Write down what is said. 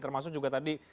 termasuk juga tadi